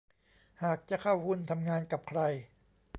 หากจะเข้าหุ้นทำงานกับใคร